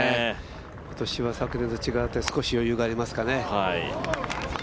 今年は昨年と違って少し余裕がありますかね。